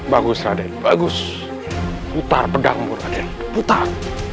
bagus raden bagus putar pedangmu raden putar